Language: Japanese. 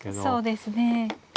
そうですね。